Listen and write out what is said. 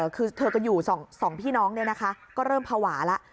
คือเธอก็อยู่สองพี่น้องเนี่ยนะคะก็เริ่มภาวะแล้ว